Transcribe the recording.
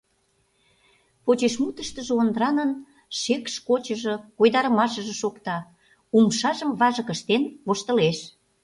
Почеш мутыштыжо Ондранын шекш-кочыжо, койдарымашыже шокта, умшажым важык ыштен воштылеш.